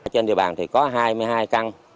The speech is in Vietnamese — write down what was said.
trên địa bàn thì có hai mươi hai căn